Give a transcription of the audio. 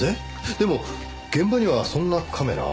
でも現場にはそんなカメラは。